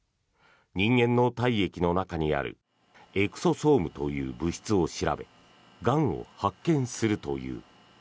人間の体液の中にあるエクソソームという物質を調べがんを発見するという。